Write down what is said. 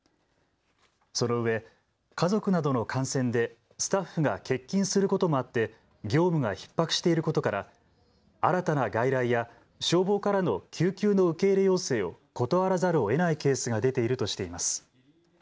そのうえ家族などの感染でスタッフが欠勤することもあって業務がひっ迫していることから新たな外来や消防からの救急の受け入れ要請を断らざるをえないケースが出ているとしています。